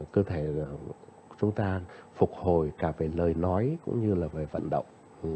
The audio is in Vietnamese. cơ thể chúng ta phục hồi cả về lời nói cũng như là về vận động